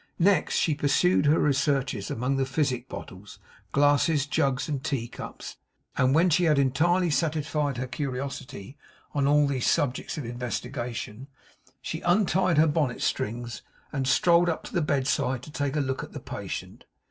Next she pursued her researches among the physic bottles, glasses, jugs, and tea cups; and when she had entirely satisfied her curiosity on all these subjects of investigation, she untied her bonnet strings and strolled up to the bedside to take a look at the patient.